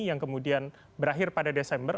yang kemudian berakhir pada desember